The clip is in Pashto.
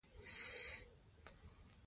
په پوهه یې روښانه وساتئ.